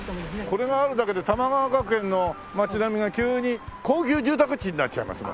これがあるだけで玉川学園の街並みが急に高級住宅地になっちゃいますもんね。